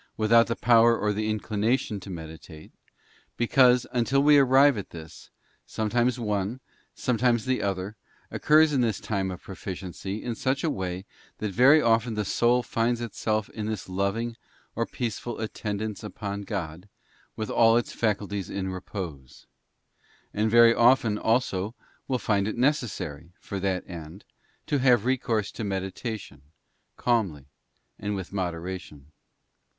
113 _ without the power or the inclination to meditate; because, until we arrive at this, sometimes one, sometimes the: other, oceurs in this time of proficiency in such a way that very _ often the soul finds itself in this loving or peaceful attendance upon God, with all its faculties in repose; and very often also will find it necessary, for that end, to have recourse to meditation, calmly and with moderation.